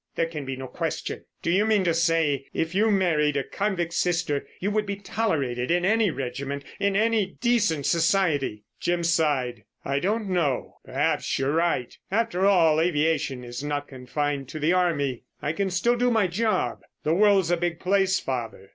"There can be no question. Do you mean to say if you married a convict's sister you would be tolerated in any regiment, in any decent society?" Jim sighed. "I don't know. Perhaps you're right. After all, aviation is not confined to the army. I can still do my job. The world's a big place, father."